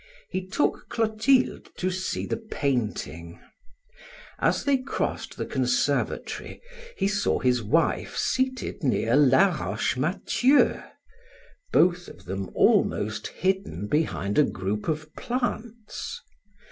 He took Clotilde to see the painting. As they crossed the conservatory he saw his wife seated near Laroche Mathieu, both of them almost hidden behind a group of plants.